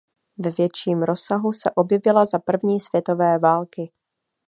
Ve větším rozsahu se objevila za první světové války.